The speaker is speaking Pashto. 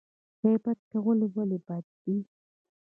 غیبت کول ولې بد دي؟